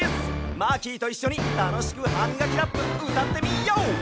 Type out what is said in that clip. マーキーといっしょにたのしく「ハミガキラップ」うたってみよう！